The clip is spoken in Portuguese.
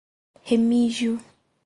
Remígio